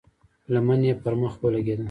لمن يې پر مخ ولګېده.